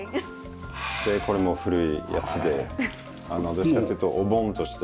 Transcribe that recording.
でこれも古いやつでどっちかっていうとお盆として。